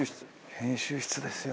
編集室ですよ。